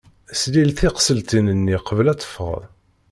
Slil tiqseltin-nni qbel ad teffɣeḍ.